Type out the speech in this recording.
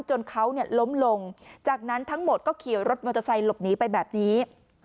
จนเขาล้มลงจากนั้นทั้งหมดก็ขี่รถมอเตอร์ไซค์หลบหนีไปแบบนี้